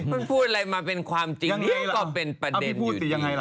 มันพูดอะไรมาเป็นความจริงก็เป็นประเด็นอยู่ที่